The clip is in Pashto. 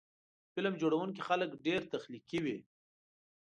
د فلم جوړوونکي خلک ډېر تخلیقي وي.